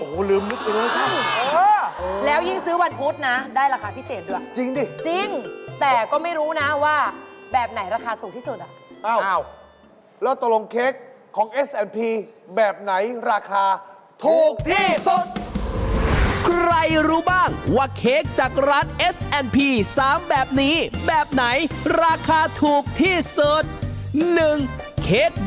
โอ้โฮลืมนิดหนึ่งแล้วใช่ไหม